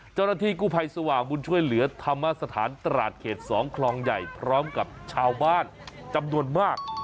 เจ้าหน้าที่กู้ภัยสว่างบุญช่วยเหลือธรรมสถานตราดเขต๒คลองใหญ่พร้อมกับชาวบ้านจำนวนมาก